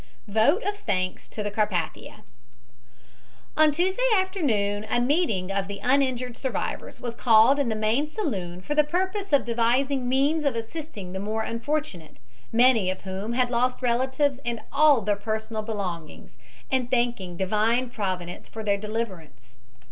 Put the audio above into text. VOTE OF THANKS TO CARPATHIA "On Tuesday afternoon a meeting of the uninjured survivors was called in the main saloon for the purpose of devising means of assisting the more unfortunate, many of whom had lost relatives and all their personal belongings, and thanking Divine Providence for their deliverance.